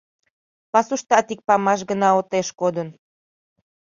Пасуштат ик памаш гына отеш кодын.